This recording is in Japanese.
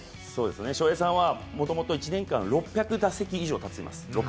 翔平さんは元々１年間６００打席以上立っています。